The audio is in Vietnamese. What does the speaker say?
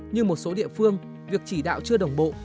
như một số địa phương việc chỉ đạo chưa đồng bộ